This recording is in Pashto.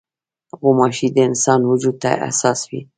غوماشې د انسان وجود ته حساس وي.